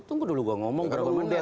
tunggu dulu gue ngomong berapa menit